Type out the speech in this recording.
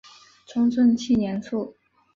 崇祯七年卒。